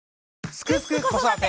「すくすく子育て」！